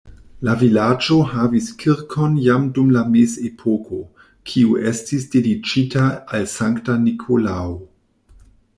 La vilaĝo havis kirkon jam dum la mezepoko, kiu estis dediĉita al Sankta Nikolao.